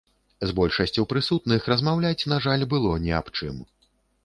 З большасцю прысутных, размаўляць, на жаль, было ні аб чым.